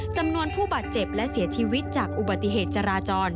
จำนวนผู้บาดเจ็บและเสียชีวิตจากอุบัติเหตุจราจร